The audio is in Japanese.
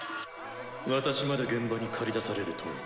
「私まで現場に駆り出されるとは」。